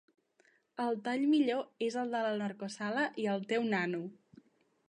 El tall millor és el de la narcosala i el teu nano.